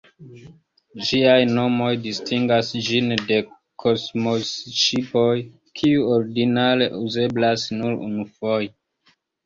Ĝiaj nomoj distingas ĝin de kosmoŝipoj, kiuj ordinare uzeblas nur unufoje.